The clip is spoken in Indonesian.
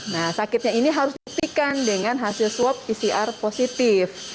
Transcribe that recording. nah sakitnya ini harus dipikan dengan hasil swab pcr positif